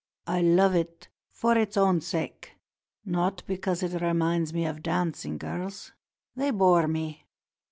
I love it for its own sake, not because it reminds me of dancing girls. They bore me.